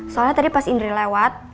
soalnya tadi pas indri lewat